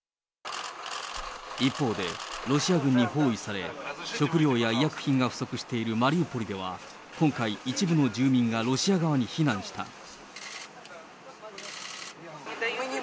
一方で、ロシア軍に包囲され、食料や医薬品が不足しているマリウポリでは、今回、一部の住民がロシア側に避難した。